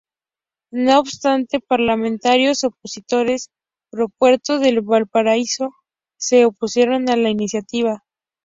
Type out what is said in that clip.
No obstante, parlamentarios opositores pro-puerto de Valparaíso se opusieron a la iniciativa.